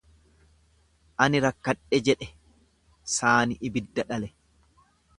Ani rakkadhe jedhe saani ibidda dhale.